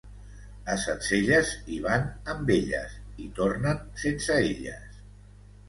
A Sencelles hi van amb elles i tornen sense elles.